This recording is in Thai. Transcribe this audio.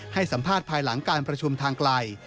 ให้สัมภาษณ์ภายหลังการประชุมทางไกล